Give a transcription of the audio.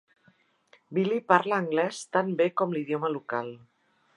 Billy parla anglès tant bé com l'idioma local.